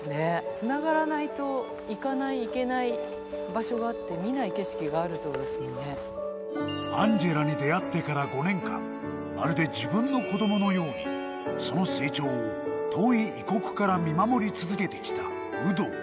つながらないと行かない、行けない場所があって、見ない景色があアンジェラに出会ってから５年間、まるで自分の子どものように、その成長を遠い異国から見守り続けてきた有働。